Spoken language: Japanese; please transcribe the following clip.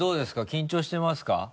緊張してますか？